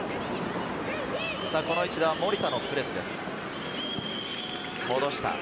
この位置では守田のプレスです。